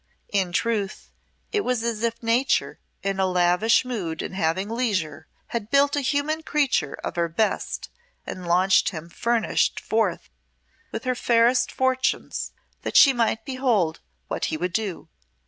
In truth, it was as if nature, in a lavish mood and having leisure, had built a human creature of her best and launched him furnished forth with her fairest fortunes, that she might behold what he would do.